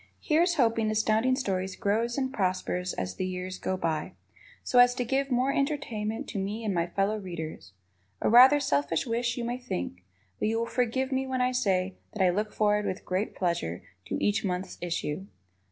Here's hoping Astounding Stories grows and prospers as the years go by, so as to give more entertainment to me and my fellow readers. A rather selfish wish, you may think, but you will forgive me when I say that I look forward with great pleasure to each month's issue.